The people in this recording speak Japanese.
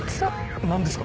何ですか？